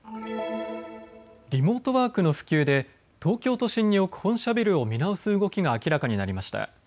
リモートワークの普及で東京都心に置く本社ビルを見直す動きが明らかになりました。